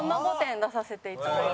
出させていただいて。